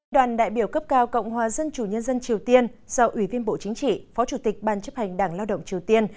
đoàn đại biểu cấp cao cộng hòa dân chủ nhân dân triều tiên do ủy viên bộ chính trị phó chủ tịch ban chấp hành đảng lao động triều tiên